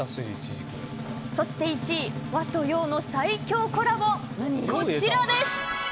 そして１位、和と洋の最強コラボこちらです！